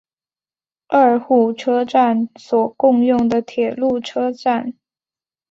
二户车站所共用的铁路车站。